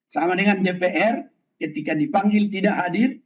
sama dengan dpr ketika dipanggil tidak hadir